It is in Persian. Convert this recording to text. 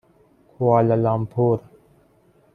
کوالالامپور